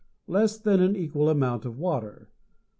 less than an equal amount of water.